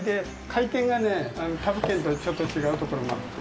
回転がね、他府県とちょっと違うところもあって。